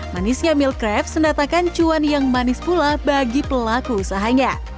manisnya milk crepes mendatakan cuan yang manis pula bagi pelaku usahanya